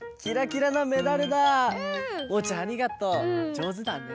じょうずだね。